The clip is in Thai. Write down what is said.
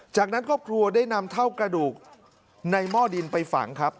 จากนั้นครอบครัวได้นำเท่ากระดูกในหม้อดินไปฝังครับ